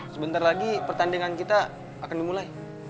sebentar lagi pertandingan kita akan dimulai